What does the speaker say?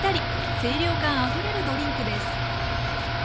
清涼感あふれるドリンクです。